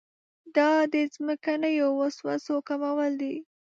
دا د ځمکنیو وسوسو کمول دي.